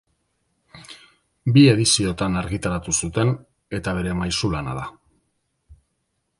Bi ediziotan argitaratu zuten eta bere maisu-lana da.